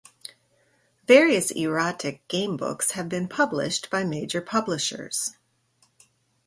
Various erotic gamebooks have been published by major publishers.